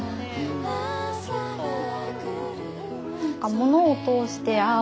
ものを通してああ